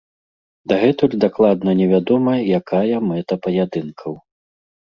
Дагэтуль дакладна невядома, якая мэта паядынкаў.